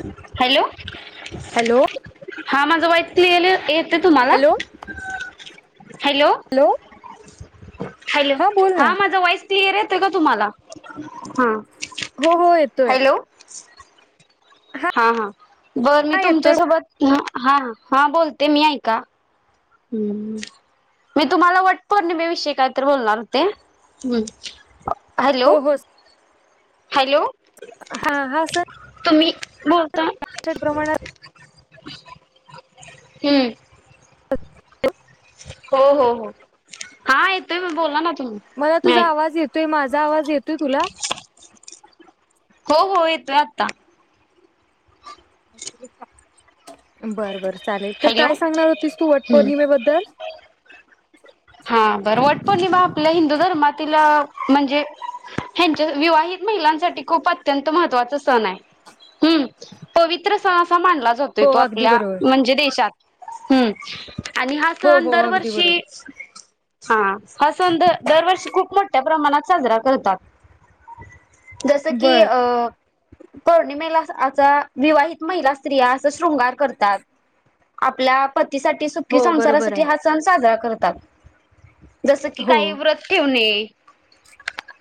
[unintelligible] Hello. Hello. हा माझं voice clear ये ये येतो तुम्हाला? Hello hello. ह. हॅलो बोल ना हा माझा वॉईस क्लिअर येतोय का तुम्हाला? हा. हो हो येतोय. [unintelligible] हा हा. बरं मी हा येतोय तुमच्यासोबत हम्म हा हा बोलते मी ऐका हम् मी तुम्हाला वट पौर्णिमेविषयी काहीतरी बोलणार होते ह हॅलो हो हो हॅलो हा हा सण तुम्ही बोलता प्रमाणात हम्म हो हो हो हा मी बोला ना तुम्ही मला मी तुझा ऐक आवाज येतोय माझा आवाज येतोय तुला हो हो येतोय आता बर बर चालेल तर हॅलो काय सांगणार होतीस तू वट हम्म पौर्णिमेबद्दल हा बरं वट पौर्णिमा आपल्या हिल ह धर्मातील म्हणजे ह्यांच्या विवाहित महिलांसाठी खूप अत्यंत महत्त्वाचा सण आहे हम्म पवित्र सण असं हा मानला जातोय हो तो अगदी आपल्या बरोबर म्हणजे देशात हम्म आणि हा हो सण हो अगदी दरवर्षी बरोबर च हा हरसन दरवर्षी खूप मोठ्या प्रमाणात साजरा करतात जसं की बर अ पौर्णिमेला आचा विवाहित महिला स्त्रिया अस शृंगार करतात. आपल्या पत पतीसाठी सुखी हो बरोबर संसारासाठी आहे हा सण साजरा कर तात. जसं की हो काही व्रत ठेवणे.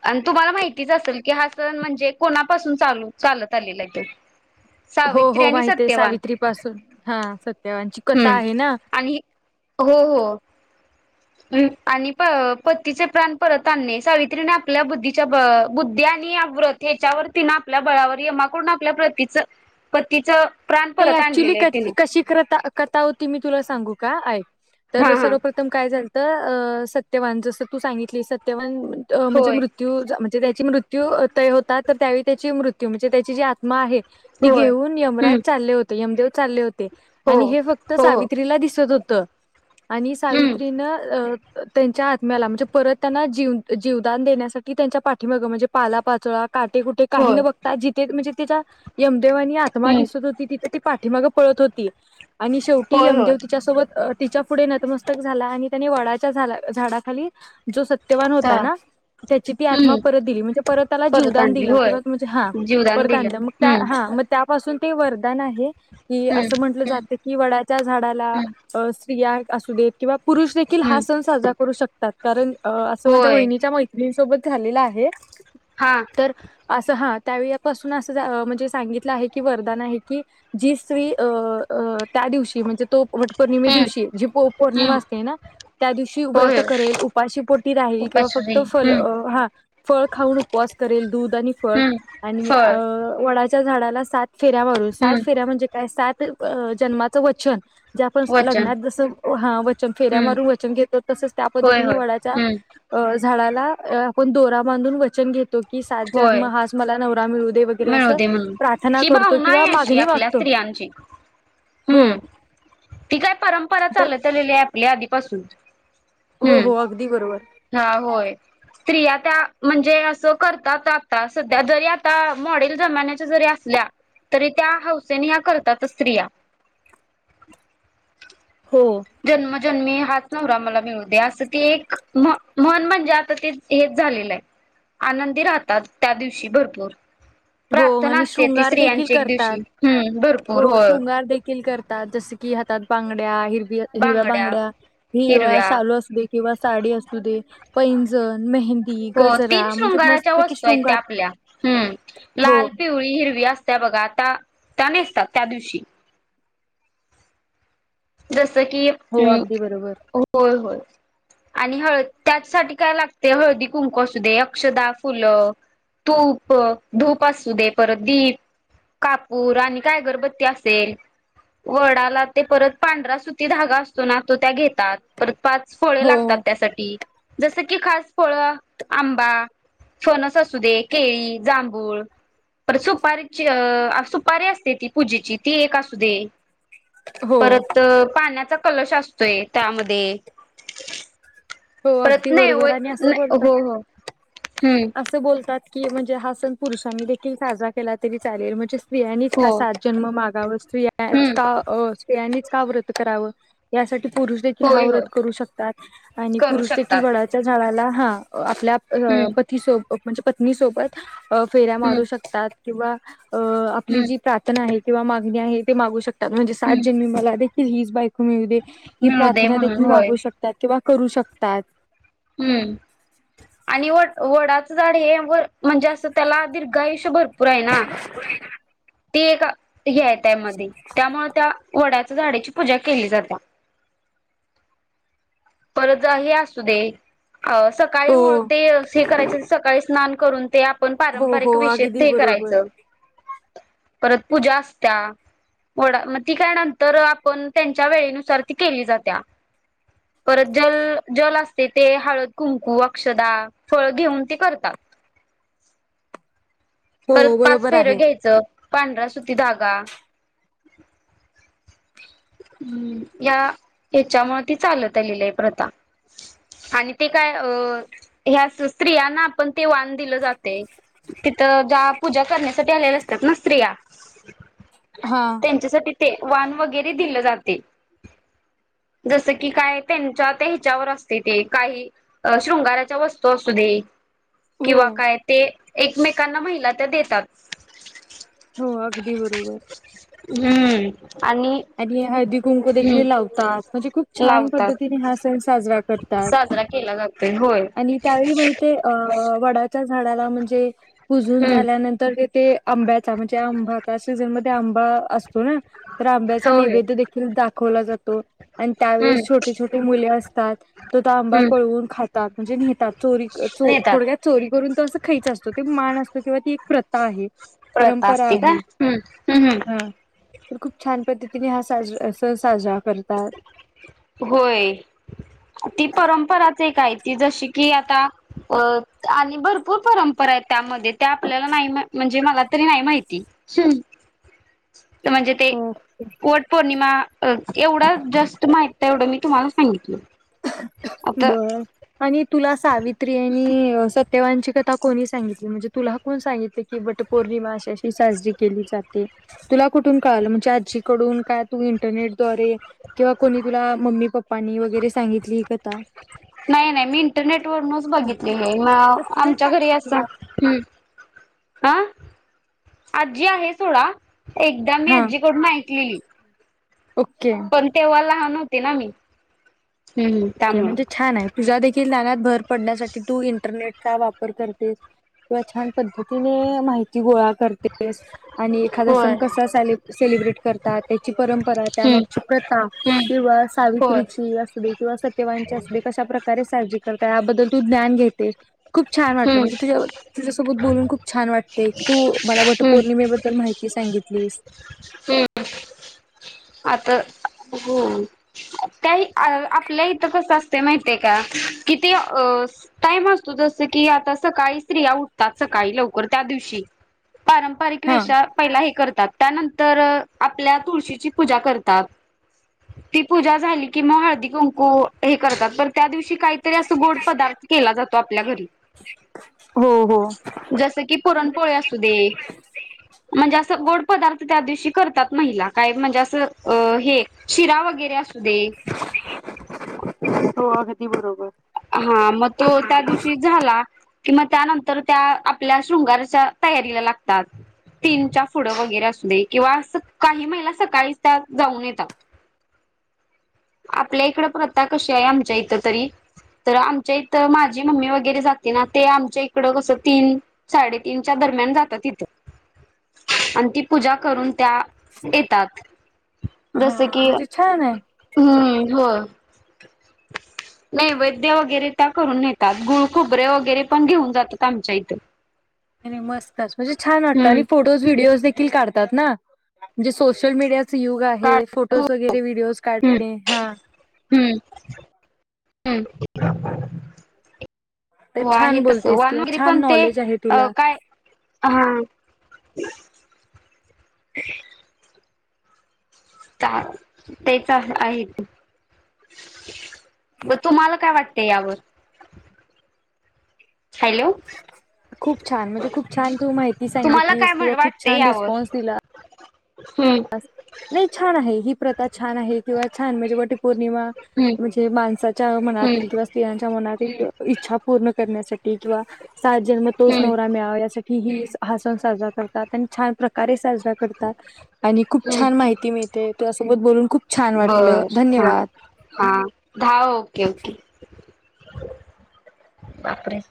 आणि तुम्हाला माहितीच असेल की हा सण म्हणजे कोणापासून चालू चालत आलेला आहे तो. हो सावित्री हो आणि माहित आहे सत्यवान सावित्री पासून हा सत्यवानची कथा हम्म आहे ना. आणि हम् आणि प पतीचे प्राण परत आणणे सावित्रीने आपल्या बुद्धीच्या ब बुद्धी आणि व्रत हेच्यावरून तिने आपल्या बळावर यमाकडून आपल्या प्रतीच पतीचं प्राण ते परत ऍक्च्युली आणलेलं आहे क तिनं कशी करता कथा होती मी तुला सांगू का ऐक. हा तर हा सर्वप्रथम काय झाल तर अ सत्यवान जस तू सांगितली सत्यवान अ म्हणजे होय मृत्य म्हणजे त्याच मृत्यू त होतात तर त्यावेळी त्याची मृत्यू म्हणजे त्याची जी आत्मा आहे. ती होय. घेऊन हम्म यमराज ले होते यमदेव चाले होते. ते, हो आणि हे फक्त हो हो सावित्रीला दिसत हो त. आणि हम्म सावित्रीन अ त्यांच्या आत्म्याला म्हणजे परत त्यांना जीव जीवदान देण्यासाठी त्यांच्या पाठीमागं म्हणजे पाला पाचोळा काटे कुटे काही होय न बघता जिथेे म्हणजे तीच्या यम देव आणि आत्मा हम्म दिसत हो ती पाठीमाग पळत होती. आणि शेवटी होय होय. यमदेव तिच्यासोबत तिच्या पुढे नतमस्तक झाला आणि त्याने वडाच्या झा झाडाखाली जो स सत्यवान होता ना त्याची ती आत्मा हम्म परत दिली म्हणजे परत त्याला जीवदान आणली दिलं होय किंव्हा म्हणजे हा जीवदान परत दिलं आणलं मग त्या हम्म हा मग त्यापासून ते वर. दान आहे. कि हम्म आसं म्हंटलं हम्म जात की वडाच्या झाडाला, हम्म अ [unintelligible] आसूदे. किंवा पुरुष देखील हम्म हा सण साजरा करू शक तात कारण असं माझ्या होय बहिणीच्या मैत्रीणीसोबत झालेल आहे. हा तर असं हा त्यावेळपासून असं म्हणजे सांगितलं आहे की वरदान आहे. कि जी स्त्री अ त्या दिवशी म्हणजे तो वट पौर्णिमे हम्म दिवशी जी पो पौर्णिमा हम्म असते ना त्या दिवशी व्रत होय करेल, उपाशी पोटी राहील, किंवा फक्त उपाश्री फल हम्म हा फळ खाऊन उपवास करेल दूध आणि फळ हम्म आणि फळ वडा च्या झाडाला सात फेऱ्या सात हम्म फेऱ्या म्हणजे काय सात जन्माचं वचन जे आपण वचन लग्नात जसं हा वचन फेऱ्या हम्म मारून वचन घेतो तसंच त्या होय पद्धतीने होय वडाच्या हम्म झाडाला आपण दोरा बांधून वचन घेत तो की सात होय जन्म हाच मला नवरा मिळू दे वगैरे आसं प्रार्थना करतो किंवा मा शी आपल्या स्त्रियांची हो हम्म ती काय परंपरा तर चालत आलेली आहे आपली आधी पासून हो हो अगदी बरोबर. होय. स्त्रिया त्या म्हणजे असं करतात आता सध्या जरी आता मॉडेल जमान्याच्या जरी असल्या तरी त्या हौसेने या् करतात स्त्रिया हो जन्मी हाच नवरा मला मिळू दे असं त एक म्हन म्हणजे आता ते हेच झालेलं आहे आनंदी राहतात त्या दिवशी भरपूर हो प्रार्थना आणि असते ती शृंगार देखील स्त्रियांची एक करतात दिवशी हम्म भरपूर हो होय. शृंगार देखील करतात जस की हातात बां [inaudible] हर हिरव्या बांगड्या, हिरव्या शालू असू दे किंवा साडी असू दे पैंजण मेहंदी हो तीन गजरा म्हणजे शृंगाराच्या मस्तपैकी वस्तू आहेत त्या शृंगार आपल्या हम्म हो लाल, पिवळी, हिरवी असत्या बघा आता त्या नेसतात त्या दिवशी शी जस ज की हो आम् अगदी बरोबर होय होय आणि हळ त्याचसाठी काय लागते हळदी, कुंकू असू दे अक्षदा, फुल, तूप, धूप असू दे परत दीप कापूर आणि काय घरबत्ती असेल वडाला ते परत पांढरा सु्ट धगा असतो ना तो त्या घेतात परत पाच फळे हो लागतात त्यासाठी जस खास फळ आंबा, फणस, असू दे केळी, जांभूळ, पर सुपारीची सुपारी असते ती पूजेची ती एक असू दे हो परत पाण्याचा कलश असतोय त्यामध्ये हो परत अगदी नाही बरोबर होय आणि असं बोलतात हो हो हम्म असं बोलतात की म्हणजे हा सण पुरुषांनी देखील साजरा केला तरी चालेल म्हणजे बियाणीच हो का सात जन्म माग [unintelligible] स्या हम्म का स्या का व्रत करावं यासाठी पुरुष देखील हा होय होय व्रत करू शकतात आणि करू पुरुष देखील शकतात वडाच्या झाडाला हा आप हम्म पती सोब म्हणजे पत्नीसोबत फेऱ्या हम्म मारू शकतात कंवा अ आपली हम्म जी प्रार्थना आहे. किंवा मागणी आहे ते मागू शकत- म्हणजे सात जन हम्म मी मला- हिज बा- ळ ही मिळू दे प्रार्थना म्हणून देखील होय वापरू शकतात किंवा- करू शकतो. तच- हम्म.. आणि व वडाचं झाड हे व म्हणजे असं त्याला दीर्घा आयुष्य भरपूर- पुर आहे ना, ते का? हे त्यामध्ये, त्यामुळे त्या वड्यात- झाडाची पूजा केली जातात. परत हे असू दे. अ सकाळी हो उळते हे करायच सकाळी स्नान- करून तेआप - पण हो पारंपरिक हो विषयेत अगदी ते बरोबर करायचं. परत पूजा असत्या, वडा मग ती काय नंतर आपण त्यांच्या वेळेनुसार ती केली जात्या. परत जल जल असते ते हळद कुंकू अक्षदा फळ घेऊन ते करतात. हो परत पाच बरोबर फेर आहे. घ्यायचं. पांढरा्या सुती धागा, ह ह्याच्यामुळे ती चालत आलेली आहे, प्रथा आणि ते काय अ ह्या स्त्रियांना आपण ते वान दिलं जाते तिथ- ज्या पूजा करण्यासाठी आलेल्या असतात ना स्त्रिया- हा त्यांच्यासाठी- ते वान वगैरे दिले जाते, जस की काय त्यांच्या त्या ह्याच्यावर असते ते काही शृंगाराच्या वस्तू असू दे, हो किंवा काय ते- एकमेकांना महि- तर देतात. हो, अगदी बरोबर. आणि हळदी- कुंकू देखील हम्म लावतात म्हणजे खूप छान लावतात. पद्धतीने हा सण साजरा करतात साजरा केला जातोय होय आणि त्यावेळी माहीत वडाचा - झाडाला म्हणजे- पुजून हम्म झाल्यानंतर ते- ते आंब्याचा म्हणजे आंबाचा सीझनमध्येध्ये आंबा असतो ना तर आंब्याचा- होय नैवैद्य देखील दाखवला जातो, आणि हम्म त्यावेळेस छोटे- छोटे मुले असतात तो त आंबा हम्म पळवून खातात म्हणजे नेतात चोरी क चोरी नेतात थोड्यात चोरी करून त असं - [unintelligible] खायचं असतो ते मान असतो किंवा ती एक प्रथा आहे. वता अस परंपरा असती का आहे. हम्म हम्म हम् हा. तर खूप छान पद्धती तिने हा साज स साजरा करत होय ती परंपराच आहे काय त जशी कि आता अ आणि भरपूर परंपरा आहेत त्यामध्ये त्या आपल्याला नाही म्हणजे मला तरी नाही माहिती म्हणजे ते ओके. पट पौर्णिमा एवढा जस्ट माहित आहे एवढं मी तुम्हाला सांगितलं आता बर आणि तुला सावित त्रिया वची कथा कोणी सितली म्हणे तु को सित कीट पौर्णि साजरी केली जाते तुला कु क म्हणजे आजडून का इंरारेिवा त्नी [unintelligible] नाही नाही मी इंटरनेट वरूनच बघितली हे म आमच्या घरी अस ह आजी आहे सोडा एकदा मी हा आजीकडून ऐकलेली ओके. कोणतेेवाला होते ना मी हम्म हम्म े त्यामुळं म्हणजे छान आहे तुझा देखील नाण्यातत भर पडण्यासाठी तू इं इरनेट चा वापर करते किंवा छान पद्धतीने माहिती गो कर आणि एखाद होय कसा सेलिब्रेट करतात परंपरा त्यामागची हम्म प्रथा हम्म किंवा होय सावित्रीची अस दे किंवा [unintelligible] कारे सारी कर याबद्दल तू ज्ञान घेतेस खूप छान वाटलं हम्म म्हणजे तुझ्या तुझ्यासोबत बोलून खूप छान वाटते की तू मला हम्म वटपौर्णिमेबद्दल माहिती सांगितलीस हम्म आता हो काही आपल्या इथं कसं असते माहिितय का कि ते टाइम असतो जस की आता सकाळी स्त्रिया उठतात सकाळी लवकर त्या दिवशी पारंपरिक हा वेषा पहिला हे करत त्यानंतर आपल्या तुळशीची पूजा करतात ती पूजा झाली की मग हळदी ुमक हे करतात त्या दिवशी काहीतरी अस गोड पदार्थ केला जातो आपल्या घरी हो हो जस की पुरणपोळी असू दे म्हणजे असं गोड पदार्थ त्या दिवशी करतात महिला काय म्हणजे असं हे शिरा वगैरे असू दे हो खे बर हा मग तो त्या दिवशी झाला किंवा त्यानंतर त्या आपल्या शृंगारच्या तयारीला लागतात तीनच्या फ पुढं वगैरे असू दे किंवा काही महिला सकाळीच त्या जाऊन येतात आपल्या इकड प्रथा कशी आहे आमच्या इथ तरी तर आमच्या इथं माझी मम्मी वगैरे जाते ना ते आमच्या इकडं कसं तीन साडेतीीनच्या दरम्यान जातात इथं आणि ती पूजा करून त्या येतात हा जसं की म्हणजे छान आहे हम्म हो [unintelligible] नाही वैद्य वगैरे त्या करून नेतात गुळ खुबरे वगैरे पण घेऊन जातात आमच्या इथे अरे मस्तच म्हणजे छान वाटतं आणि फोटोज व्हिडिओज देखील काढत ना म्हणजे सोशल मीडिया युग आहे काळ फोटोज वगैरे व्हडिओज हम्म काढणे हा हम्म हम् तर हो छान आहे तस बोलतेस किंवा वानरे छान पण ते नॉलेज आहे तुला काय ह [unintelligible] का तेच आहेत ब तुम्हाला काय वाटत ते यावर हॅलो खूप छान म्हणजे खूप छान तू माहिती तुम्हाला काय सांगितलीस किंवा म्हण खूप वाटते छान यावर रिस्पॉन्स दिला हम्म नाही छान आहे ही प्रथा छान आहे किंवा छान म्हणजे वटी पौर्णिमा हम्म म्हणजे माणसाच्या हम्म मनातील किंवा स्त्रियांच्या मनातील इच्छा पूर्ण करण्यासाठी किंवा सात जन्म तोच हम्म नवरा मिळावा यासाठी ही हसवून साजरा करतात आणि छान प्रकारे साजरा करतात खूप हम्म छान माहिती मिळते तुझसोबत बोलून खूप छान वाटलं बर हा धन्यवाद हा दहा ओके ओके बापरे